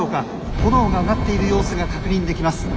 炎が上がっている様子が確認できます。